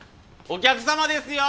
お客様ですよ！